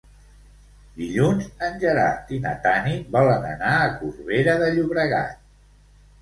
Dilluns en Gerard i na Tanit volen anar a Corbera de Llobregat.